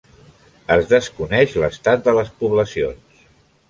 Es desconeix l'estat de les poblacions.